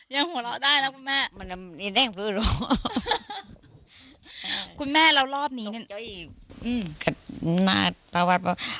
ยังหัวเราะได้นะคุณแม่